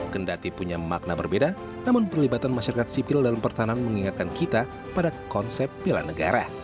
kendati punya makna berbeda namun perlibatan masyarakat sipil dalam pertahanan mengingatkan kita pada konsep bela negara